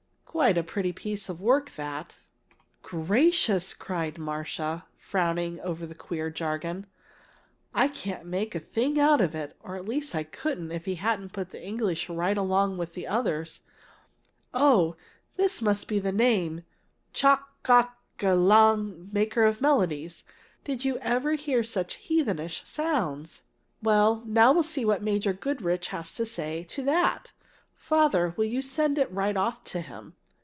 Quite a pretty piece of work that!" "Gracious!" cried Marcia, frowning over the queer jargon. "I can't make a thing out of it or at least I couldn't if he hadn't put the English right alongside of the others. Oh, this must be the name! 'chok gàk ê lâng' 'maker of melodies.' Did you ever hear of such heathenish sounds? Well, now we'll see what Major Goodrich has to say to that. Father, will you send it right off to him?"